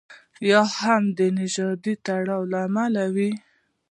یا هم د نژادي تړاو له امله وي.